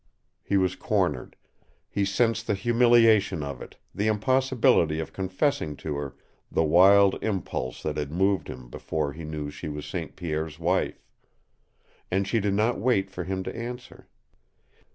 He was cornered. He sensed the humiliation of it, the impossibility of confessing to her the wild impulse that had moved him before he knew she was St. Pierre's wife. And she did not wait for him to answer.